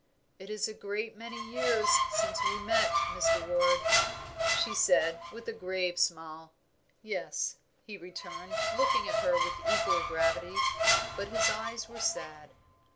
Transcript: "It is a great many years since we met, Mr. Ward," she said, with a grave smile. "Yes," he returned, looking at her with equal gravity; but his eyes were sad.